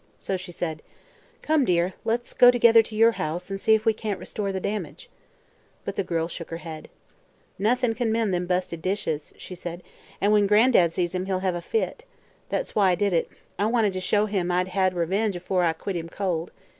So she said: "Come, dear, let's go together to your house and see if we can't restore the damage." But the girl shook her head. "Noth'n' can't mend them busted dishes," she said, "an' when Gran'dad sees 'em he'll hev a fit. That's why I did it; I wanted to show him I'd had revenge afore I quit him cold.